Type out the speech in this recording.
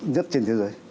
nhất trên thế giới